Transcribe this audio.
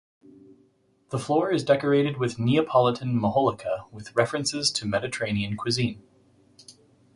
The floor is decorated with Neapolitan majolica with references to Mediterranean cuisine.